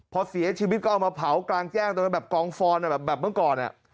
พอเสียชีวิตก็เอามาเผากลางแจ้งตรงนั้นแบบกองฟอนแบบเมื่อก่อน